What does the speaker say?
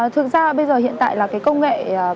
thực ra bây giờ hiện tại là công nghệ